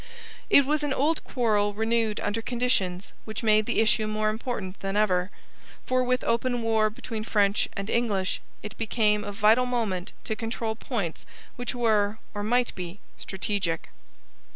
It was an old quarrel renewed under conditions which Made the issue more important than ever, for with open war between French and English it became of vital moment to control points which were, or might be, strategic.